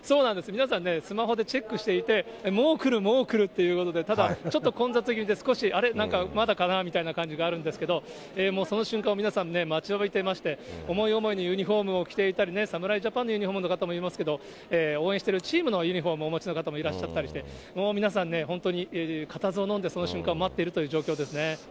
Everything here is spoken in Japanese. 皆さんね、スマホでチェックしていて、もう来る、もう来るっていうことで、ただちょっと混雑気味で、少し、あれ、まだかなみたいな感じがあるんですけど、もうその瞬間を皆さんね、待ちわびてまして、思い思いのユニホームを着ていたりね、侍ジャパンのユニホームの方もいますけど、応援しているチームの方のユニホームを持ってる方もいらっしゃったりして、もう皆さんね、本当に、かたずをのんでその瞬間を待っているという状況ですね。